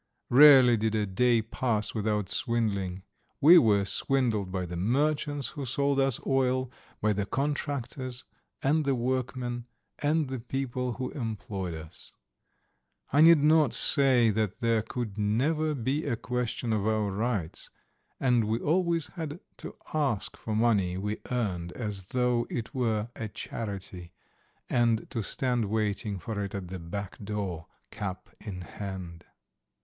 Rarely did a day pass without swindling. We were swindled by the merchants who sold us oil, by the contractors and the workmen and the people who employed us. I need not say that there could never be a question of our rights, and we always had to ask for the money we earned as though it were a charity, and to stand waiting for it at the back door, cap in hand.